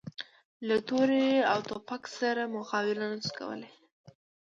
له تورې او توپک سره مقابله نه شو کولای.